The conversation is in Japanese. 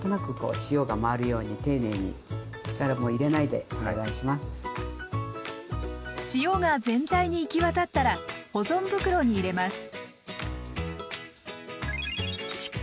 塩が全体に行き渡ったら保存袋に入れます。